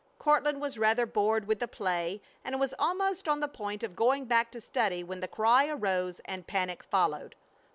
Courtland was rather bored with the play, and was almost on the point of going back to study when the cry arose and panic followed.